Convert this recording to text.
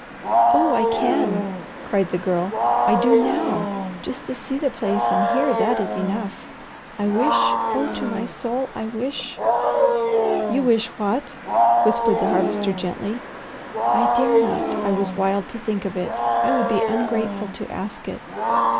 "Oh I can!" cried the Girl; "I do now! Just to see the place and hear that is enough. I wish, oh to my soul I wish " "You wish what?" whispered the Harvester gently. "I dare not! I was wild to think of it. I would be ungrateful to ask it."